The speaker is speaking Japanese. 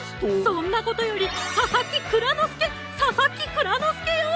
そんなことより佐々木蔵之介佐々木蔵之介よ！